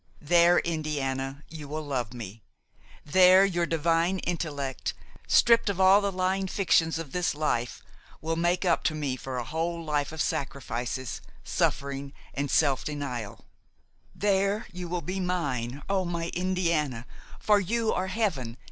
There, Indiana, you will love me; there, your divine intellect, stripped of all the lying fictions of this life, will make up to me for a whole life of sacrifices, suffering and self denial; there, you will be mine, O my Indiana! for you are heaven!